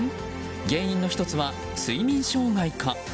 原因の１つは睡眠障害か。